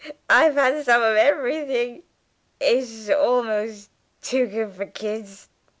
I've had some of everything. It'sh almost too good for kids.